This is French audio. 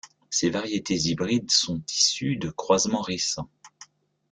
Ces variétés hybrides sont issues de croisements récents.